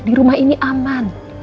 di rumah ini aman